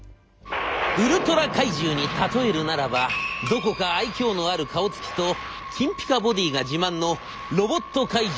ウルトラ怪獣に例えるならばどこか愛嬌のある顔つきと金ピカボディーが自慢のロボット怪獣